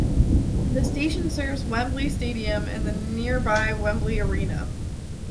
The station serves Wembley Stadium and the nearby Wembley Arena.